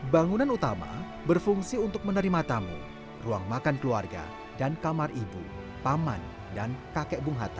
bangunan utama berfungsi untuk menerima tamu ruang makan keluarga dan kamar ibu paman dan kakek bung hatta